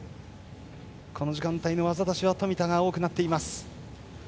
この時間帯の技出しは冨田が多くなっています。